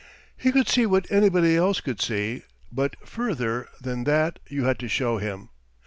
He could see what anybody else could see, but further than that you had to show him.